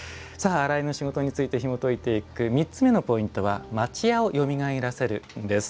「洗いの仕事」についてひもといていく３つ目のポイントは「町家をよみがえらせる」です。